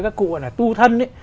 các cụ gọi là tu thân ấy